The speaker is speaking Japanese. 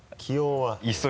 はい！